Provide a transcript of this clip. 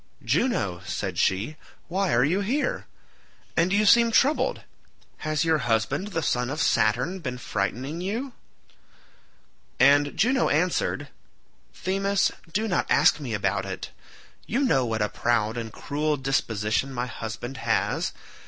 "Juno," said she, "why are you here? And you seem troubled—has your husband the son of Saturn been frightening you?" And Juno answered, "Themis, do not ask me about it. You know what a proud and cruel disposition my husband has.